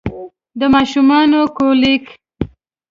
د ماشومانه کولیک